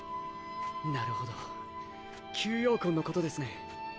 なるほど吸妖魂のことですね。